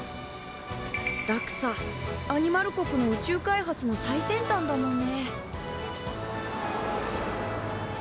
ＤＡＸＡアニマル国の宇宙開発の最先端だもんね。